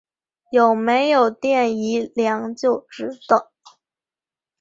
有没有电一量就知道